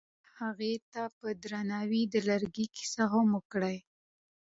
هغه هغې ته په درناوي د لرګی کیسه هم وکړه.